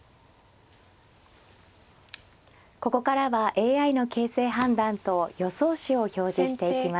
ここからはＡＩの形勢判断と予想手を表示していきます。